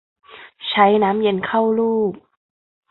ใช้น้ำเย็นเข้าลูบ